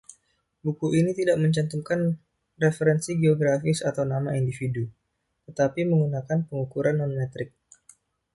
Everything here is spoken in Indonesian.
Buku ini tidak mencantumkan referensi geografis atau nama individu, tetapi menggunakan pengukuran non-metrik.